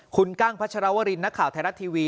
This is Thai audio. คุณกั้งพัชรวรินนักข่าวไทยรัฐทีวี